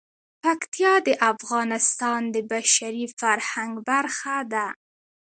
پکتیا د افغانستان د بشري فرهنګ برخه ده.